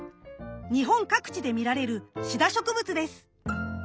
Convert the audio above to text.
日本各地で見られるシダ植物です。